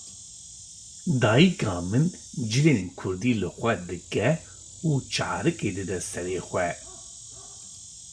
Dayîka min cilên kurdî li xwe dike û çarikê dide sere xwe.